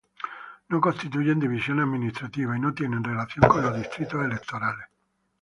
No constituyen divisiones administrativas y no tienen relación con los distritos electorales.